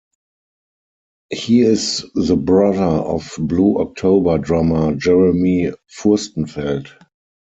He is the brother of Blue October drummer Jeremy Furstenfeld.